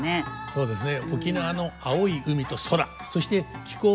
そうですね。